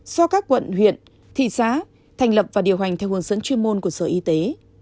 do các quận huyện thị xã thành lập và điều hành theo hướng dẫn chuyên môn của sở y tế